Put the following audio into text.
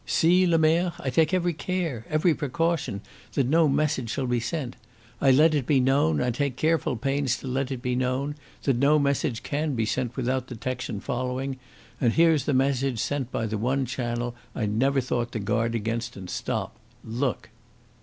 See, Lemerre, I take every care, every precaution, that no message shall be sent. I let it be known, I take careful pains to let it be known, that no message can be sent without detection following, and here's the message sent by the one channel I never thought to guard against and stop. Look!"